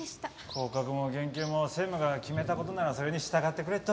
降格も減給も専務が決めた事ならそれに従ってくれと。